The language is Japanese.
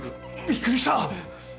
びっくりした！